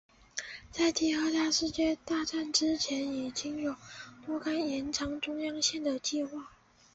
在第二次世界大战以前已经有若干延长中央线的计划。